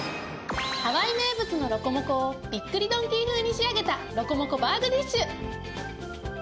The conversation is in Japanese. ハワイ名物のロコモコをびっくりドンキー風に仕上げたロコモコバーグディッシュ。